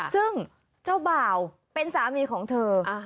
ซึ่งเจ้าบ่าวเป็นสามีของเธอ